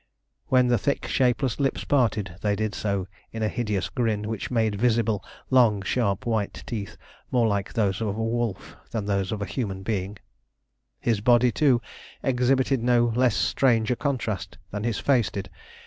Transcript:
When the thick, shapeless lips parted, they did so in a hideous grin, which made visible long, sharp white teeth, more like those of a wolf than those of a human being. His body, too, exhibited no less strange a contrast than his face did.